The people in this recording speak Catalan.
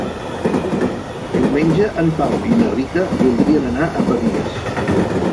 Diumenge en Pau i na Rita voldrien anar a Pavies.